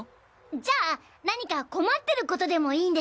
じゃあ何か困ってることでもいいんです。